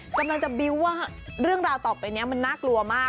กำลังจะบิ้วว่าเรื่องราวต่อไปนี้มันน่ากลัวมาก